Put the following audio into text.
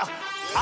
あ！